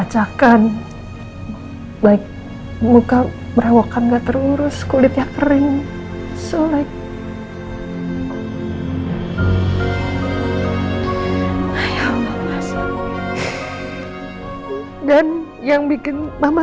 cakan baik muka merawakan gak terurus kulitnya kering solek hai ayo makasih dan yang bikin mama